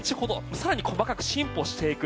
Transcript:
更に細かく進歩していく。